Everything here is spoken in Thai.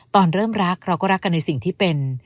ตอนเริ่มรักเราก็รักกันในสิ่งที่เป็น